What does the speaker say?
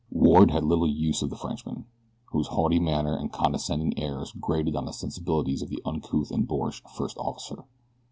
Ward had little use for the Frenchman, whose haughty manner and condescending airs grated on the sensibilities of the uncouth and boorish first officer.